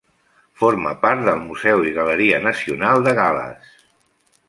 Forma part del Museu i Galeria Nacional de Gal·les.